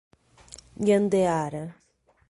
Nhandeara